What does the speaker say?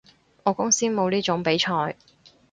我公司冇呢種比賽